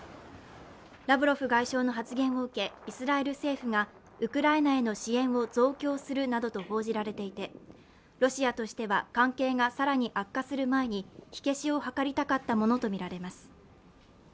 ラブロフ外相の発言を受けイスラエル政府がウクライナへの支援を増強するなどと報じられていて、ロシアとしては関係が更に悪化する前に火消しを図りたかったものとみられます。